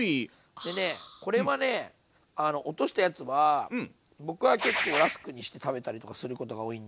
でねこれはね落としたやつは僕は結構ラスクにして食べたりとかすることが多いんで。